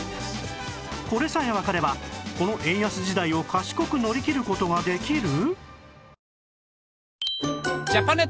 これさえわかればこの円安時代を賢く乗り切る事ができる！？